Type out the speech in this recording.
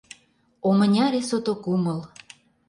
О мыняре сото кумыл!